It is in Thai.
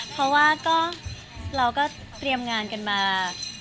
เพราะว่าเราก็เตรียมงานกันมา